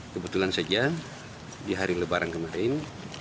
kebetulan saja di hari lebaran kemarin